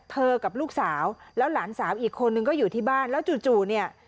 กับลูกสาวแล้วหลานสาวอีกคนนึงก็อยู่ที่บ้านแล้วจู่เนี่ย